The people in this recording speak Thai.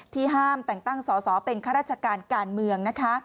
ที่ห้ามแต่งตั้งศเป็นข้าราชการการเมือง